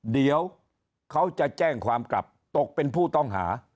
เดี๋ยวเขาจะแจ้งความกลับตกเป็นผู้ต้องหา